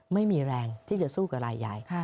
ไม่มีแรงที่จะสู้กับรายใหญ่